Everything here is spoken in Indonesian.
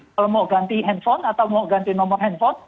kalau mau ganti handphone atau mau ganti nomor handphone